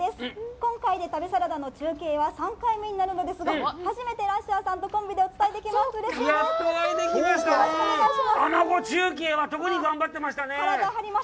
今回で旅サラダの中継は３回目になるのですが、初めてラッシャーさんとコンビでお伝えできます。